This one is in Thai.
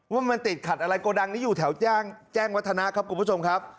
ว่ามันติดขัดอะไรโกดังนี้อยู่แถวแจ้งวัฒนะครับคุณผู้ชมครับ